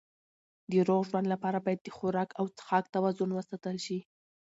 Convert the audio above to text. د روغ ژوند لپاره باید د خوراک او څښاک توازن وساتل شي.